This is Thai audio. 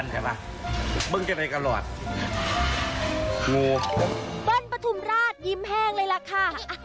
ปั้นปฐุมราชยิ้มแห้งเลยล่ะค่ะ